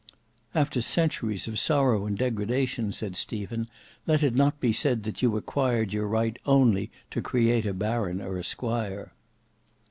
"After centuries of sorrow and degradation," said Stephen, "let it not be said that you acquired your right only to create a baron or a squire."